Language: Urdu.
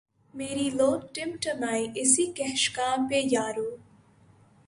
میری لؤ ٹمٹمائے اسی کہکشاں پہ یارو